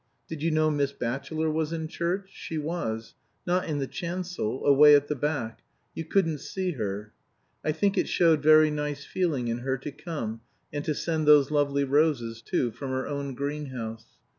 Did you know Miss Batchelor was in church! She was. Not in the chancel away at the back. You couldn't see her. I think it showed very nice feeling in her to come, and to send those lovely roses too from her own greenhouse.